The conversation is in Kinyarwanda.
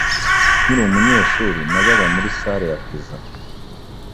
Nkiri umunyeshuri, najyaga muri salle ya pizza.